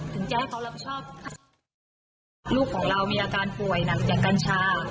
จะให้เขารับผิดชอบลูกของเรามีอาการป่วยหนักจากกัญชา